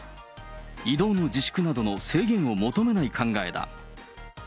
移動の自粛などの制限を求めない考えだ。